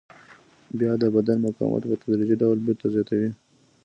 بیا د بدن مقاومت په تدریجي ډول بېرته زیاتوي.